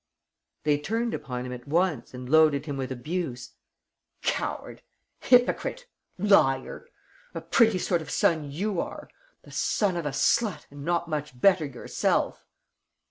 They turned upon him at once and loaded him with abuse: "Coward!... Hypocrite!... Liar!... A pretty sort of son you are!... The son of a slut and not much better yourself!..."